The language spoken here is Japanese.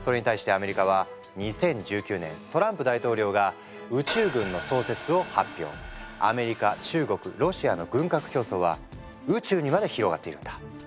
それに対してアメリカは２０１９年トランプ大統領がアメリカ中国ロシアの軍拡競争は宇宙にまで広がっているんだ。